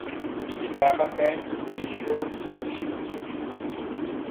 Bika papayɛ i ri so ntimɔ syo.